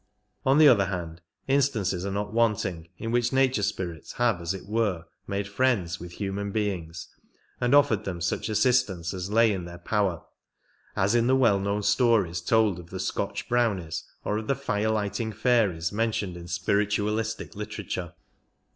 On the other hand instances are not wanting in which nature spirits have as it were made friends with human beings and offered them such assistance as lay in their power, as in the well known stories lold of the Scotch Ijrownies or of the fire lighting fairies mentioned in spiritualistic literature.